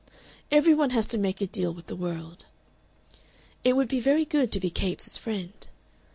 Every one has to make a deal with the world. It would be very good to be Capes' friend.